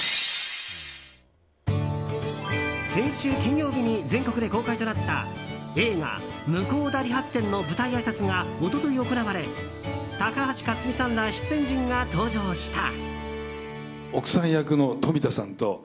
先週金曜日に全国で公開となった映画「向田理髪店」の舞台あいさつが一昨日行われ高橋克実さんら出演陣が登場した。